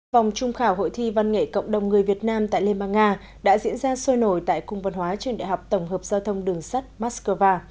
vòng trung khảo hội thi văn nghệ cộng đồng người việt nam tại liên bang nga đã diễn ra sôi nổi tại cung văn hóa trường đại học tổng hợp giao thông đường sắt moscow